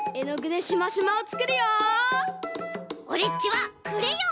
オレっちはクレヨン！